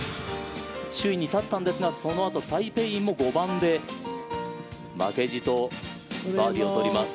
首位に立ったんですがそのあとサイ・ペイインも５番で負けじとバーディーを取ります。